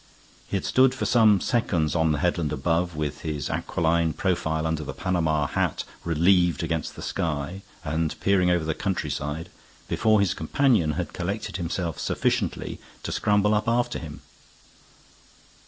He had stood for some seconds on the headland above, with his aquiline profile under the Panama hat relieved against the sky and peering over the countryside before his companion had collected himself sufficiently to scramble up after him.